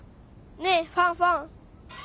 ねえファンファン。